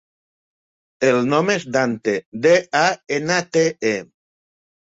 El nom és Dante: de, a, ena, te, e.